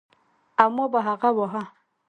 او ما به هغه واهه.